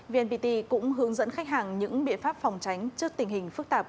vnpt cũng hướng dẫn khách hàng những biện pháp phòng tránh trước tình hình phức tạp